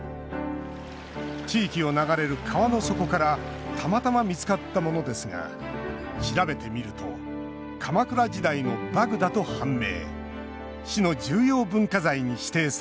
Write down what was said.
地域を流れる川の底からたまたま見つかったものですが調べてみると鎌倉時代の「馬具」だと判明。